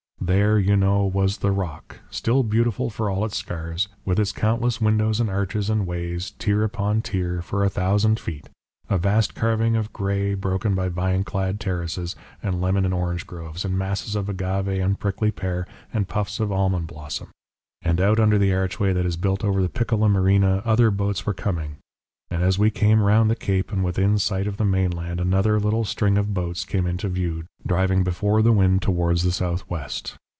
There, you know, was the rock, still beautiful, for all its scars, with its countless windows and arches and ways, tier upon tier, for a thousand feet, a vast carving of grey, broken by vine clad terraces, and lemon and orange groves, and masses of agave and prickly pear, and puffs of almond blossom. And out under the archway that is built over the Piccola Marina other boats were coming; and as we came round the cape and within sight of the mainland, another little string of boats came into view, driving before the wind towards the southwest.